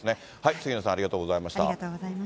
杉野さん、ありがとうございました。